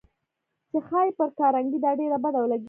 چې ښايي پر کارنګي دا ډېره بده ولګېږي.